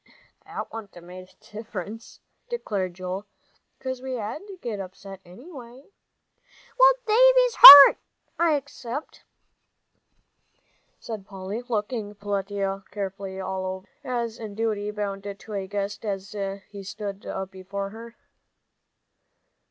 "That wouldn't 'a' made any difference," declared Joel, "'cause we had to get upset, anyway." "Well, Davie's hurt, I expect," said Polly, looking Peletiah carefully all over, as in duty bound to a guest, as he stood up before her.